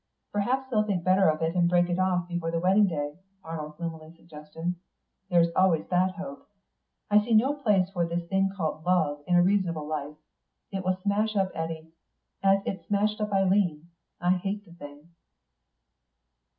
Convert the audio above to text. "Perhaps they'll think better of it and break it off before the wedding day," Arnold gloomily suggested. "There's always that hope.... I see no place for this thing called love in a reasonable life. It will smash up Eddy, as it's smashed up Eileen. I hate the thing."